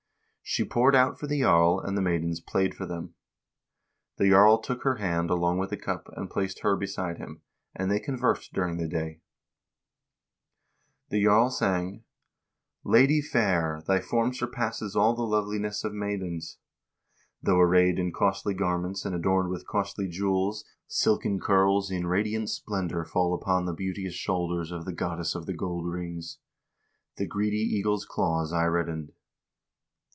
She poured out for the jarl, and the maidens played for them. The jarl took her hand along with the cup and placed her beside him, and they conversed during the day. The jarl sang : Lady fair ! thy form surpasses All the loveliness of maidens, Though arrayed in costly garments, And adorned with costly jewels : 1 Where this seaport was located is not known. RAGNVALD JARL's CRUSADE 357 Silken curls in radiant splendor Fall upon the beauteous shoulders Of the goddess of the gold rings. The greedy eagle's claws I redden'd.